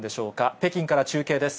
北京から中継です。